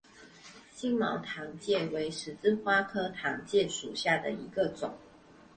星毛糖芥为十字花科糖芥属下的一个种。